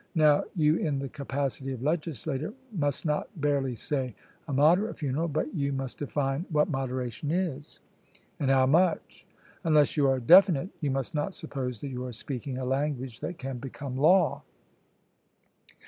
Now you in the capacity of legislator must not barely say 'a moderate funeral,' but you must define what moderation is, and how much; unless you are definite, you must not suppose that you are speaking a language that can become law.